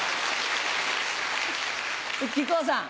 木久扇さん。